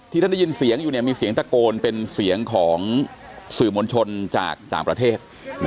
ท่านได้ยินเสียงอยู่มีเสียงตะโกนเป็นเสียงของสื่อมวลชนจากต่างประเทศ